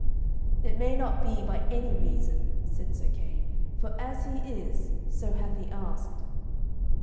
"It may not be by any reason," said Sir Kay, "for as he is, so hath he asked."